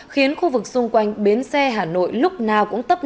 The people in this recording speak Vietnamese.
khiến khu vực xung quanh biến xe hà nội lúc nào cũng tấp năng